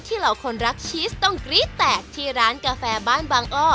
เหล่าคนรักชีสต้องกรี๊ดแตกที่ร้านกาแฟบ้านบางอ้อ